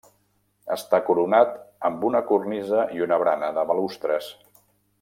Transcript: Està coronat amb una cornisa i una barana de balustres.